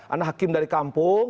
anak hakim dari kampung